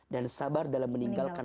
dan sabar dalam meninggalkan